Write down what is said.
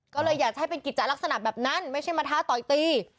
ก็เลยอยากจะให้เป็นกิจลักษณะแบบนั้นไม่ใช่มาท้าต่อยตี